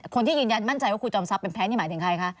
คนที่ยืนยันมั่นใจว่าครูจอมทรัพย์แพ้นี่หมายถึงใครคะ